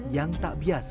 yang tak biasa